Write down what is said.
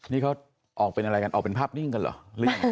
นี่เขาออกเป็นอะไรกันออกเป็นภาพนิ่งกันเหรอ